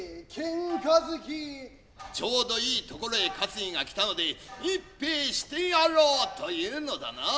ちょうどいいところへかつぎが来たので一杯してやろうというのだな。